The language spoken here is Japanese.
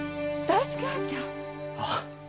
ああ！